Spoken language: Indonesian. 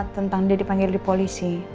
tentang dia dipanggil di polisi